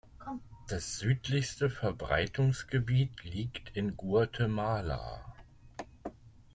Das südlichste Verbreitungsgebiet liegt in Guatemala.